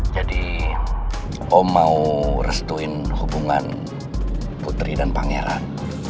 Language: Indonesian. jadi om mau restuin hubungan putri dan pangeran